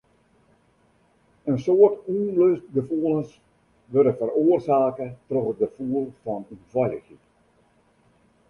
In soad ûnlustgefoelens wurde feroarsake troch it gefoel fan ûnfeilichheid.